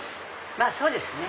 まぁそうですね。